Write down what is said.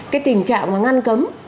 cái tình trạng mà ngăn cấm